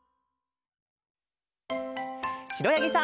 しろやぎさん。